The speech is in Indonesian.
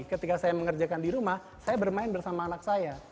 ketika saya mengerjakan di rumah saya bermain bersama anak saya